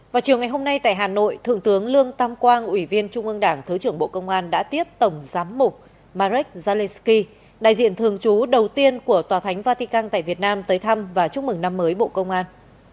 vào chiều ngày hôm nay tại hà nội thượng tướng lương tam quang ủy viên trung ương đảng thứ trưởng bộ công an đã tiếp tổng giám mục marek zaleski đại diện thường trú đầu tiên của tòa thánh vatican tại việt nam tới thăm và chúc mừng năm mới bộ công an